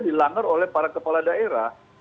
dilanggar oleh para kepala daerah